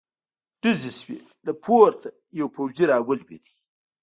ډزې شوې، له پورته يو پوځې را ولوېد.